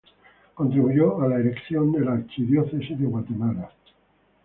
Contribuyó a la erección de la archidiócesis de Guatemala.